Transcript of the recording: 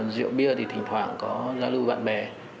rượu bia thì thỉnh thoảng có giao lưu bạn bè